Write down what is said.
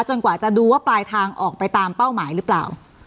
กว่าจะดูว่าปลายทางออกไปตามเป้าหมายหรือเปล่า